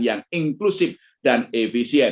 yang inklusif dan efisien